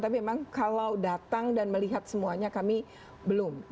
tapi memang kalau datang dan melihat semuanya kami belum